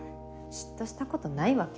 嫉妬したことないわけ？